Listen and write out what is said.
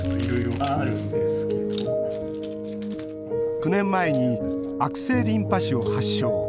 ９年前に悪性リンパ腫を発症。